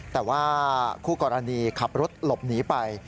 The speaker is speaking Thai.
แต่ว่าคู่กรณีขับรถหลบหนีไป